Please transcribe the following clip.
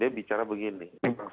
dia bicara begini